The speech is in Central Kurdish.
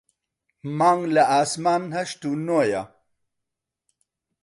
مانگ لە ئاسمان هەشت و نۆیە